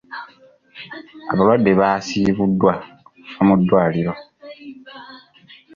Abalwadde baasiibuddwa okuva mu ddwaliiro.